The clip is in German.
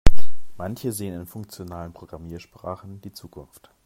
Manche sehen in funktionalen Programmiersprachen die Zukunft.